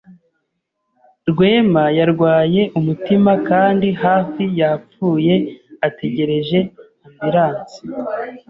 Rwema yarwaye umutima kandi hafi yapfuye ategereje ambulance.